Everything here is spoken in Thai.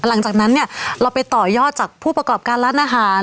หลังจากนั้นเนี่ยเราไปต่อยอดจากผู้ประกอบการร้านอาหาร